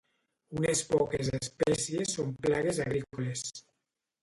Unes poques espècies són plagues agrícoles.